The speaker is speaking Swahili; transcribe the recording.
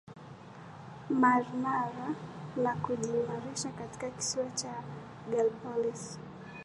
Marmara na kujiimarisha katika kisiwa cha Galliopolis